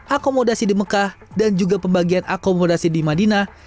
akomodasi di mekah dan juga pembagian akomodasi di madinah